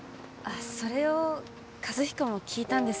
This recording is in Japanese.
それを和彦も聞いたんですね。